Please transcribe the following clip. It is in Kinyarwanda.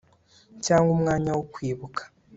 cyangwa umwanya wo kwibuka